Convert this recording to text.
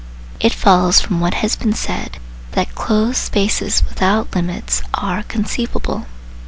It follows from what has been said, that closed spaces without limits are conceivable.